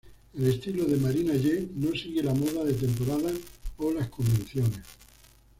El estilo de Marina Yee no sigue la moda de temporada o las convenciones.